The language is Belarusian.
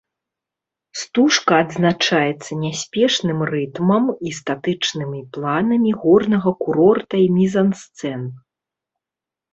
Стужка адзначаецца няспешным рытмам і статычнымі планамі горнага курорта і мізансцэн.